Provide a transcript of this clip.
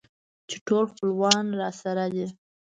چې ټول خپلوان راسره دي.